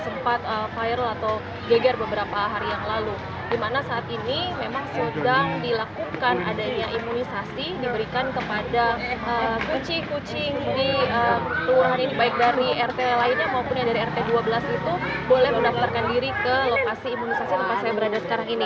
selainnya maupun yang dari rt dua belas itu boleh mendatarkan diri ke lokasi imunisasi tempat saya berada sekarang ini